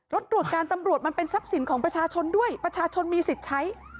รถตรวจการตำรวจมันเป็นทรัพย์สินของประชาชนด้วยประชาชนมีสิทธิ์ใช้